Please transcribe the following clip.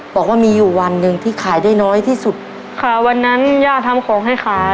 บอกว่ามีอยู่วันหนึ่งที่ขายได้น้อยที่สุดค่ะวันนั้นย่าทำของให้ขาย